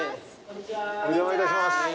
お邪魔いたします。